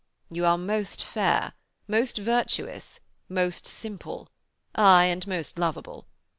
You are most fair, most virtuous, most simple aye, and most lovable.